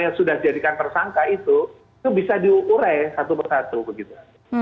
yang sudah jadikan tersangka itu itu bisa diure satu persatu begitu